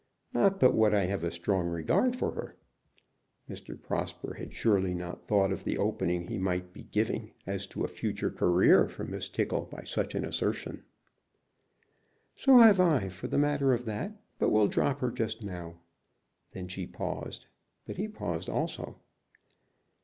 Not but what I have a strong regard for her." Mr. Prosper had surely not thought of the opening he might be giving as to a future career for Miss Tickle by such an assertion. "So have I, for the matter of that, but we'll drop her just now." Then she paused, but he paused also.